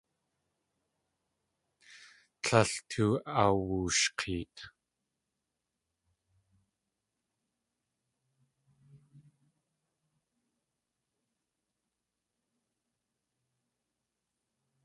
Tlél tóo awushk̲eet.